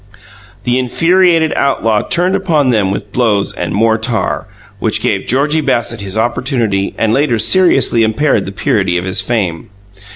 The infuriated outlaw turned upon them with blows and more tar, which gave Georgie Bassett his opportunity and later seriously impaired the purity of his fame.